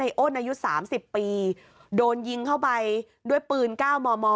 ในโอนายุสสามสิบปีโดนยิงเข้าไปด้วยพื้นก้าวมอมอ